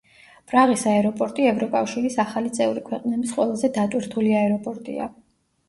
პრაღის აეროპორტი ევროკავშირის ახალი წევრი ქვეყნების ყველაზე დატვირთული აეროპორტია.